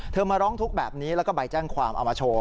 มาร้องทุกข์แบบนี้แล้วก็ใบแจ้งความเอามาโชว์